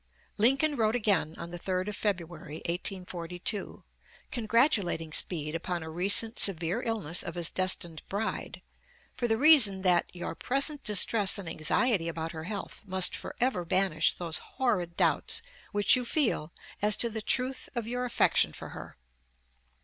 Lincoln wrote again on the 3d of February, 1842, congratulating Speed upon a recent severe illness of his destined bride, for the reason that "your present distress and anxiety about her health must forever banish those horrid doubts which you feel as to the truth of your affection for her."